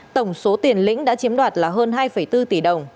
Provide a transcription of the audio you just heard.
tổng số tiền lĩnh đã chiếm đoạt là hơn hai bốn tỷ đồng